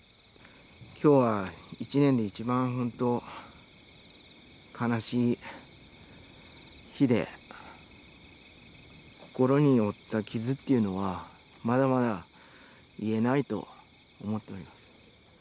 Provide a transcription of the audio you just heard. きょうは一年で一番、本当、悲しい日で、心に負った傷っていうのは、まだまだ癒えないと思っております。